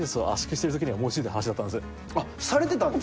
あっされてたんですね。